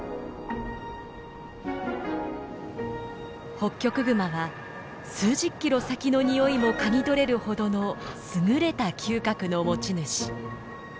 ホッキョクグマは数十キロ先のにおいも嗅ぎ取れるほどの優れた嗅覚の持ち主。